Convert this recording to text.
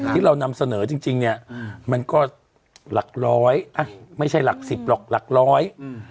ที่เรานำเสนอจริงจริงเนี้ยอืมมันก็หลักร้อยอ่ะไม่ใช่หลักสิบหรอกหลักร้อยอืม